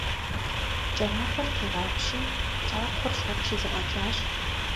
КӀэрахъуэр тегъапщи, кӀакхъур щӀэчи зэфӀэкӀащ.